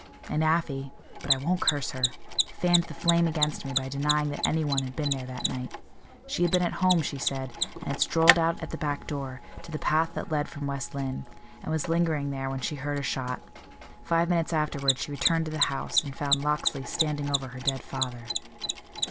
And Afy but I won't curse her fanned the flame against me by denying that any one had been there that night. 'She had been at home,' she said, 'and had strolled out at the back door, to the path that led from West Lynne, and was lingering there when she heard a shot. Five minutes afterward she returned to the house, and found Locksley standing over her dead father.